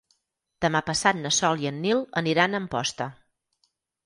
Demà passat na Sol i en Nil aniran a Amposta.